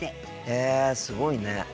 へえすごいね。